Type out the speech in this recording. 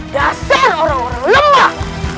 dasar orang orang lemah